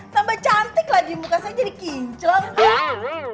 tambah cantik lagi muka saya jadi kincleng